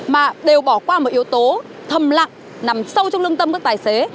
mà đều bỏ qua một yếu tố thầm lặng nằm sâu trong lương tâm các tài xế